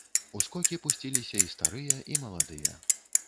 У скокі пусціліся і старыя, і маладыя.